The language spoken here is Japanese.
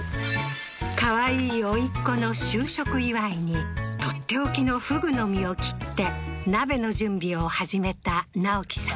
かわいいおいっ子の就職祝いにとっておきの河豚の身を切って鍋の準備を始めた直樹さん